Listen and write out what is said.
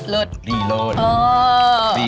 กะเพราทอดไว้